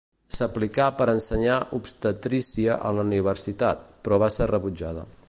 S'aplicà per ensenyar obstetrícia a la universitat, però va ser rebutjada.